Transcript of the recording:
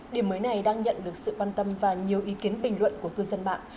điểm mới này đang nhận được sự quan tâm và nhiều ý kiến bình luận của cư dân mạng